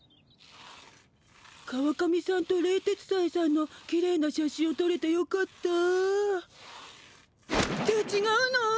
川上さんと冷徹斎さんのキレイな写真をとれてよかった。ってちがうの！